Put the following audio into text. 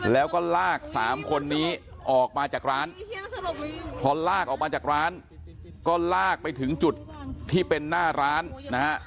แล้วก็ลากสามคนนี้ออกมาจากร้านพอลากออกมาจากร้านก็ลากไปถึงจุดที่เป็นหน้าร้านนะฮะ